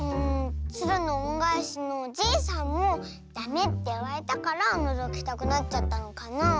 「つるのおんがえし」のおじいさんもダメっていわれたからのぞきたくなっちゃったのかなあ。